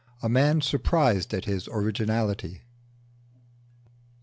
A MAN SURPRISED AT HIS ORIGINALITY.